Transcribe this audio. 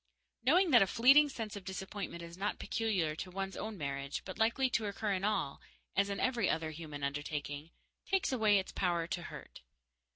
Knowing that a fleeting sense of disappointment is not peculiar to one's own marriage, but likely to occur in all, as in every other human undertaking, takes away its power to hurt.